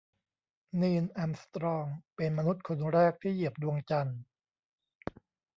นีล อาร์มสตรองเป็นมนุษย์คนแรกที่เหยียบดวงจันทร์